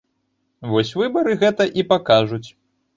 Вось выбары гэта і пакажуць.